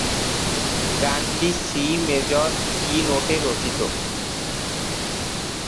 গানটি C major key নোটে রচিত।